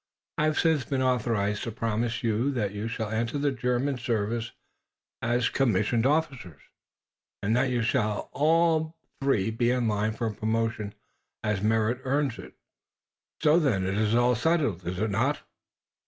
I have since been authorized to promise you that you shall enter the German service as commissioned officers, and that you shall all three be in line for promotion as merit earns it. So, then, it is all settled, is it not!"